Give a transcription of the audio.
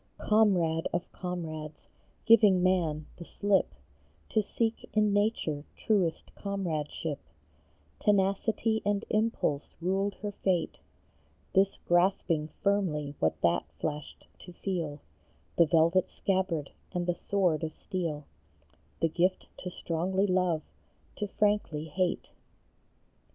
Comrade of comrades, giving man the slip To seek in Nature truest comradeship ; Tenacity and impulse ruled her fate, This grasping firmly what that flashed to feel, The velvet scabbard and the sword of steel, The gift to strongly love, to frankly hate